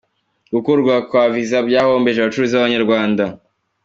Gukurwaho kwa Viza byahombeje abacuruzi b’Abanyarwanda.